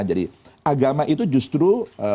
jadi agama itu justru